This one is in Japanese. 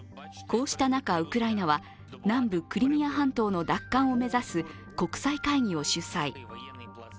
こうした中、ウクライナは南部クリミア半島の奪還を目指す国際会議を主催。